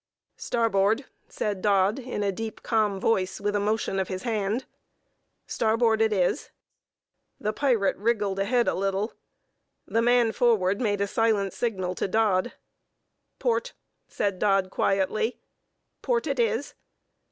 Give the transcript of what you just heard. "Starboard!" said Dodd, in a deep calm voice, with a motion of his hand. "Starboard it is." The pirate wriggled ahead a little. The man forward made a silent signal to Dodd. "Port!" said Dodd, quietly. "Port it is."